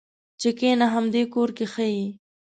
چې کېنه همدې کور کې ښه یې.